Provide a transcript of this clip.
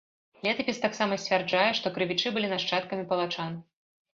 Летапіс таксама сцвярджае, што крывічы былі нашчадкамі палачан.